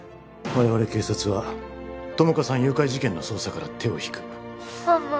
我々警察は友果さん誘拐事件の捜査から手を引くママ？